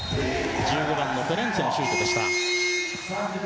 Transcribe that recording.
１５番のフェレンツェのシュートでした。